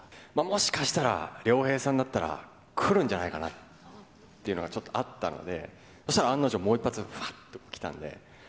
もしかしたら、亮平さんだったらくるんじゃないかなっていうのが、ちょっとあったので、そうしたら案の定、もう一発、ふわっときたんで。